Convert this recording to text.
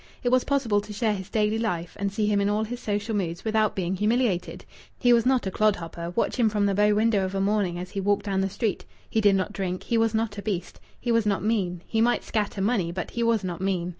It was possible to share his daily life and see him in all his social moods without being humiliated. He was not a clodhopper; watch him from the bow window of a morning as he walked down the street! He did not drink; he was not a beast. He was not mean. He might scatter money, but he was not mean.